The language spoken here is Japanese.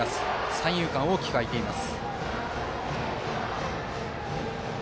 三遊間、大きく開いています。